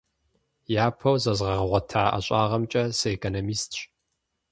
Япэу зэзгъэгъуэта ӀэщӀагъэмкӀэ сыэкономистщ.